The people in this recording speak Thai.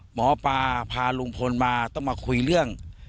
หมอปลาพาลุงพลมาต้องมาคุยเรื่อง